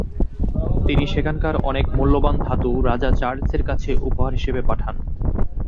তিনি সেখানকার অনেক মূল্যবান ধাতু রাজা চার্লসের কাছে উপহার হিসেবে পাঠান।